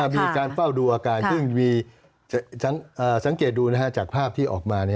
มีการเฝ้าดูอาการซึ่งมีสังเกตดูจากภาพที่ออกมา